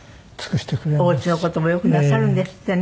お家の事もよくなさるんですってね。